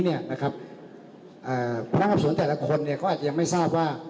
ภรรยากรรมสวนแต่ละคนก็อาจไม่ทราบว่า